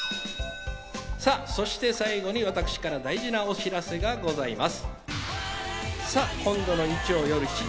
そして最後に私から大事なお知らせがございます。